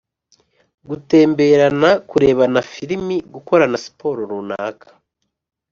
gutemberana, kurebana films, gukorana sport runaka,